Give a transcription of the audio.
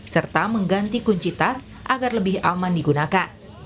serta mengganti kunci tas agar lebih aman digunakan